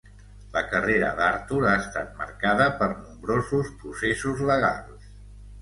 La carrera d'Arthur ha estat marcada per nombrosos processos legals.